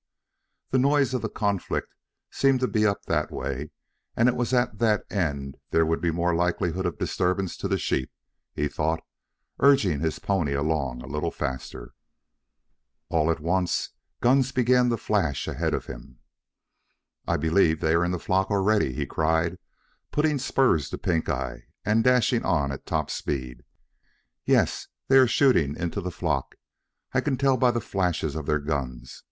The noise of the conflict seemed to be up that way and it was at that end that there would be more likelihood of disturbance to the sheep, he thought, urging his pony along a little faster. All at once guns began to flash ahead of him. "I believe they are in the flock already," he cried, putting spurs to Pink eye and dashing on at top speed. "Yes, they are shooting into the flock. I can tell by the flashes of their guns.